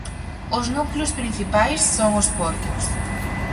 Os núcleos principais son os portos.